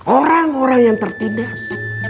orang orang yang tertindas